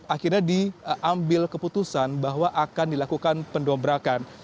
akhirnya diambil keputusan bahwa akan dilakukan pendobrakan